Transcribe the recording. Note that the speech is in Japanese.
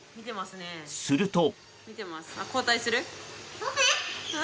すると。